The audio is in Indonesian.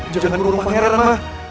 jangan kurung pangeran ma